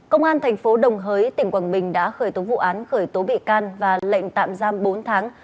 công an thành phố đồng hới tỉnh quảng bình đã khởi tố vụ án khởi tố bị can và lệnh tạm giam bốn tháng